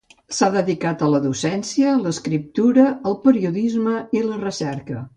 S’ha dedicat a la docència, l’escriptura, el periodisme, i la recerca.